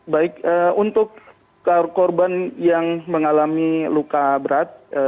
baik untuk korban yang mengalami luka berat